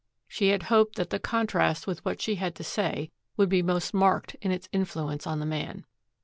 She had hoped that the contrast with what she had to say would be most marked in its influence on the man.